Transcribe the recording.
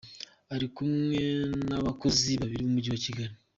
Ari kumwe n’abakozi babiri b’Umujyi wa Kigali.”